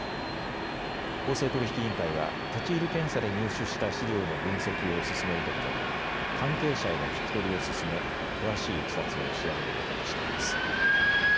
公正取引委員会は立ち入り検査で入手した資料の分析を進めるとともに関係者への聞き取りを進め詳しいいきさつを調べることにしています。